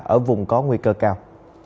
ở vùng có nguy cơ cao